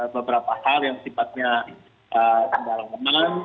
beberapa hal yang sifatnya dalam kemampuan